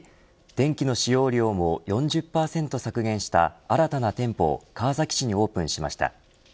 電気の使用量も４０％削減した新たな店舗を川崎市にオープンしました。